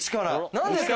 何ですか？